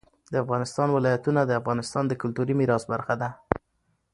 د افغانستان ولايتونه د افغانستان د کلتوري میراث برخه ده.